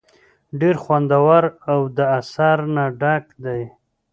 ډېر خوندور او د اثر نه ډک دے ۔